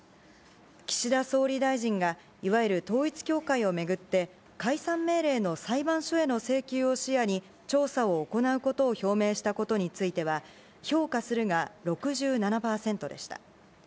岸田総理大臣がいわゆる統一教会を巡って解散命令の裁判所への請求を視野に、調査を行うことを表明したことについては、評価するが６７％でした。